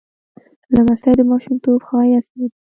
لمسی د ماشومتوب ښایست لري.